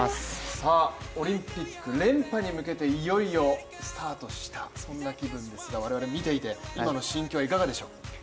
オリンピック連覇に向けていよいよスタートしたそんな気分ですが、我々見ていて、今の心境はいかがでしょう？